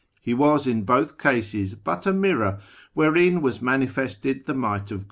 He was in both cases but a mirror wdierein was manifested the might of God.